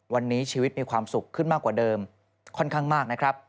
วันนี้ชีวิตมีความสุขขึ้นมากกว่าเดิมค่อนข้างมากนะครับ